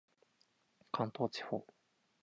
関東地方